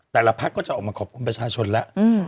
แต่ละพักก็จะออกมาขอบคุณประชาชนแล้ว